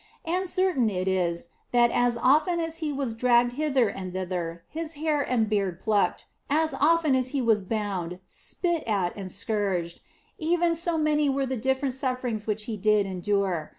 And certain is it, that as often as He was dragged hither and thither, His hair and beard plucked, as often as He was bound, spit at and scourged, even so many were the different sufferings which He did endure.